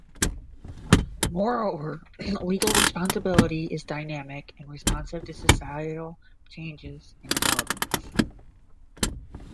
Moreover, legal responsibility is dynamic and responsive to societal changes and developments.